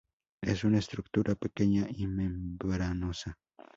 Es una estructura pequeña y membranosa.